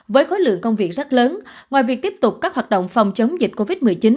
với khối lượng công việc rất lớn ngoài việc tiếp tục các hoạt động phòng chống dịch covid một mươi chín